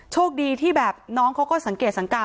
โชคดีที่แบบน้องเขาก็สังเกตสังการ